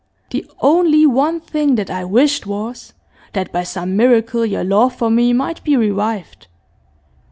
'The only one thing that I wished was, that by some miracle your love for me might be revived.